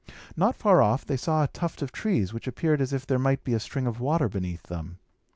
Not far off, they saw a tuft of trees, which appeared as if there might be a spring of water beneath them.